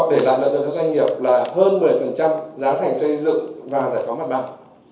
để làm được cho doanh nghiệp là hơn một mươi giá thành xây dựng và giải phóng mặt bạc